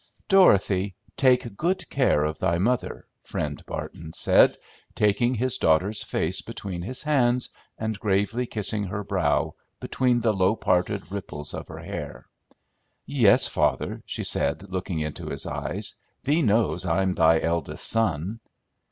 "Dorothy, take good care of thy mother!" Friend Barton said, taking his daughter's face between his hands and gravely kissing her brow between the low parted ripples of her hair. "Yes, father," she said, looking into his eyes; "Thee knows I'm thy eldest son."